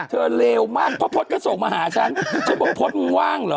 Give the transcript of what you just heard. เลวมากเพราะพจน์ก็ส่งมาหาฉันฉันบอกพจน์ว่างเหรอ